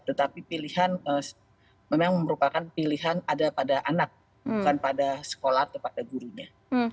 tetapi pilihan memang merupakan pilihan ada pada anak bukan pada sekolah atau pada gurunya